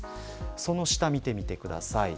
その下を見てください。